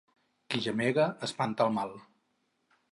Qui gemega espanta el mal.